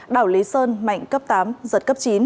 đảo lý sơn mạnh cấp tám giật cấp chín